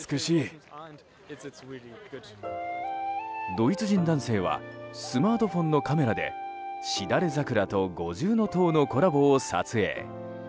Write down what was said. ドイツ人男性はスマートフォンのカメラでしだれ桜と五重塔のコラボを撮影。